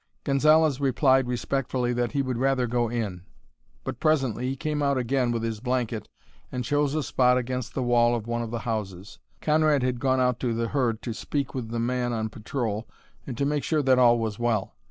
Gonzalez replied respectfully that he would rather go in. But presently he came out again with his blanket and chose a spot against the wall of one of the houses. Conrad had gone out to the herd to speak with the man on patrol and to make sure that all was well.